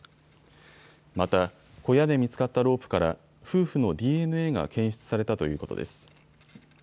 また小屋で見つかったロープから夫婦のＤＮＡが検出されたということです。